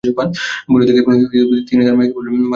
ভোরের দিকে তিনি তার মেয়েকে বললেন: মা তুমি একটু চা কর।